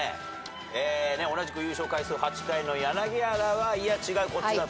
同じく優勝回数８回の柳原はいや違うこっちだと。